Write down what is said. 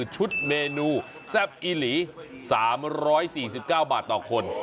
ชุดเมนูแซ่บอีหลี๓๔๙บาทต่อคน